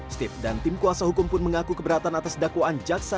steve dan tim kuasa hukum pun mengaku keberatan atas dakwaan jaksa